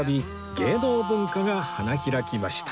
芸能文化が花開きました